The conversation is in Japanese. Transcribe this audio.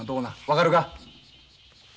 分かるか？